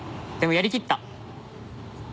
やりきった。